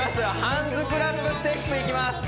ハンズクラップステップいきます